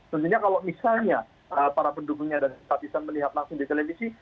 tentunya kalau misalnya para pendukungnya dan simpatisan melihat langsung di televisi